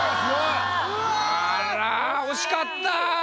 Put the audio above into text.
あら惜しかった。